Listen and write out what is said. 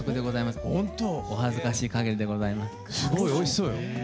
すごいおいしそうよ。